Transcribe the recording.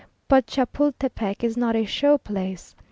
But Chapultepec is not a show place.